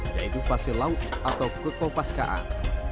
yaitu fase laut atau kekopaskaan